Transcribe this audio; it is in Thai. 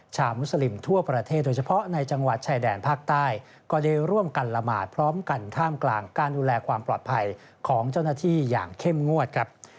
มุสลิมทั่วประเทศโดยเฉพาะในจังหวัดชายแดนภาคใต้ก็ได้ร่วมกันละหมาดพร้อมกันท่ามกลางการดูแลความปลอดภัยของเจ้าหน้าที่อย่างเข้มงวดครับ